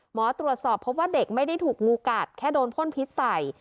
หมอตรวจสอบพบว่าเด็กไม่ได้ถูกงูกัดแค่โดนพ่นพิษใส่